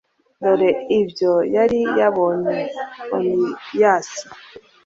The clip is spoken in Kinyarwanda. dore ibyo yari yabonye: oniyasi